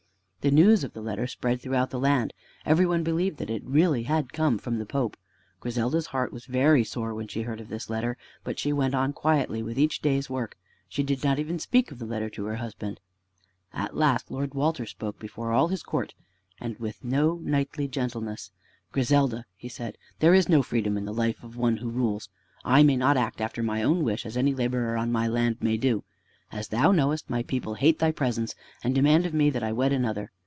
The news of the letter spread throughout the land. Every one believed that it had really come from the Pope. Griselda's heart was very sore when she heard of this letter. But she went on quietly with each day's work. She did not even speak of the letter to her husband. At last Lord Walter spoke before all his court, and with no knightly gentleness. "Griselda," he said, "there is no freedom in the life of one who rules. I may not act after my own wish as any laborer on my land may do. As thou knowest, my people hate thy presence, and demand of me that I wed another.